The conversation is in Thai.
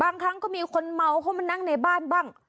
บางครั้งก็มีคนเมาเข้ามานั่งในบ้านบ้าง